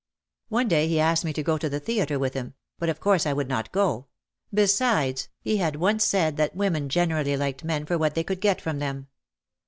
One day he asked me to go to the theatre with him, but of course I would not go. Be sides, he had once said that women generally liked men for what they could get from them.